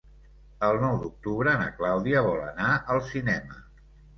El nou d'octubre na Clàudia vol anar al cinema.